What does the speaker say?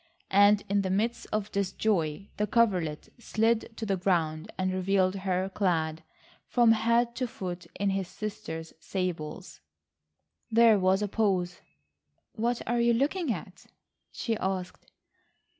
And in the midst of this joy, the coverlet slid to the ground and revealed her clad from head to foot in his sister's sables. There was a pause. "What are you looking at?" she asked.